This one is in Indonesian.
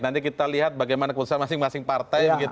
nanti kita lihat bagaimana keputusan masing masing partai begitu